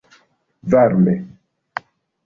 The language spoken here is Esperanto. varme